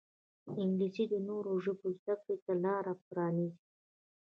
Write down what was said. انګلیسي د نورو ژبو زده کړې ته لاره پرانیزي